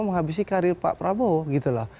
menghabisi karir pak prabowo